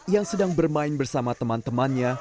yang sedang bermain bersama teman temannya